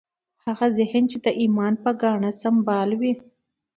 هغه ذهن چې د ایمان په ګاڼه سمبال وي